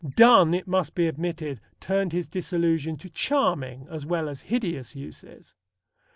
Donne, it must be admitted, turned his disillusion to charming as well as hideous uses.